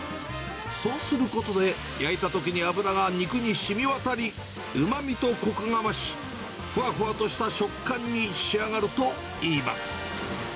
そうすることで、焼いたときに脂が肉にしみわたり、うまみとこくが増し、ふわふわとした食感に仕上がるといいます。